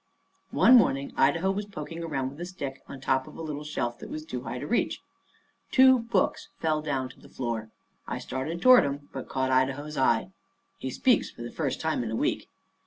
One morning Idaho was poking around with a stick on top of a little shelf that was too high to reach. Two books fell down to the floor. I started toward 'em, but caught Idaho's eye. He speaks for the first time in a week.